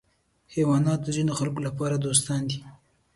حیوانات د ځینو خلکو لپاره دوستان دي.